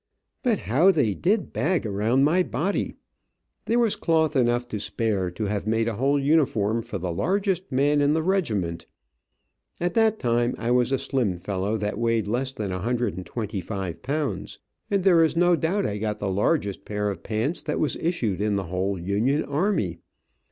But how they did bag around my body. There was cloth enough to spare to have made a whole uniform for the largest man in the regiment. At that time I was a slim fellow, that weighed less than 125 pounds, and there is no doubt I got the largest pair of pants that was issued in the whole Union army.